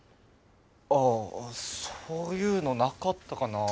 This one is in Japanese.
ああそういうのなかったかな。